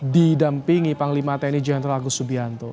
didampingi panglima tni jenderal agus subianto